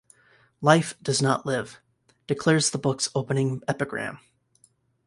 "Life does not live", declares the book's opening epigram.